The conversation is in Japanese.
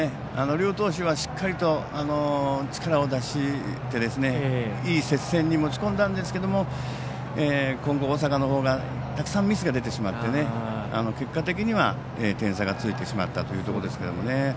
両投手がしっかりと力を出していい接戦に持ち込んだんですが金光大阪のほうがたくさんミスが出てしまって結果的には点差がついてしまったというところですね。